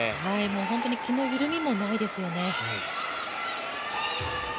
本当に気の緩みもないですよね。